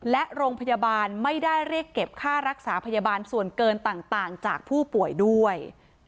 และโรงพยาบาลไม่ได้เรียกเก็บค่ารักษาพยาบาลส่วนเกินต่างจากผู้ป่วยด้วย